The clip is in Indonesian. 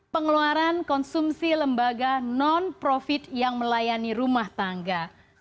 pengeluaran konsumsi lembaga non profit yang melayani rumah tangga